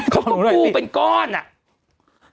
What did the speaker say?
เขาก็กู้เป็นก้อนอะ